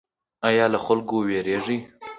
ایا له خلکو ویریږئ؟